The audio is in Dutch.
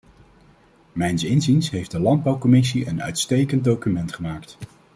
Mijns inziens heeft de landbouwcommissie een uitstekend document gemaakt.